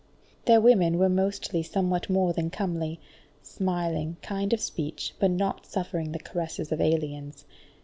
Their women were mostly somewhat more than comely, smiling, kind of speech, but not suffering the caresses of aliens.